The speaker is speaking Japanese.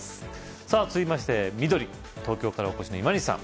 さぁ続きまして緑東京からお越しの今西さん